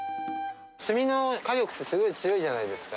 炭の火力ってすごい強いじゃないですか。